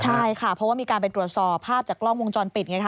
ใช่ค่ะเพราะว่ามีการไปตรวจสอบภาพจากกล้องวงจรปิดไงค่ะ